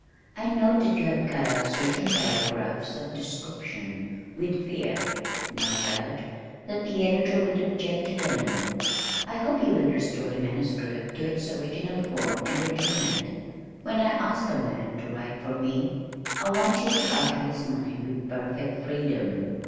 I note that you have cut out certain paragraphs of description with the fear, no doubt, that the editor would object to them. I hope you will restore the manuscript to its original form and return it. When I ask a man to write for me, I want him to utter his mind with perfect freedom.